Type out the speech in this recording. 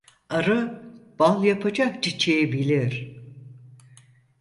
Arı bal yapacak çiçeği bilir.